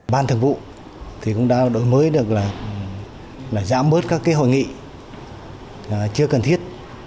ban thường vụ thì cũng đã đổi mới được là giảm bớt các hội nghị chưa cần thiết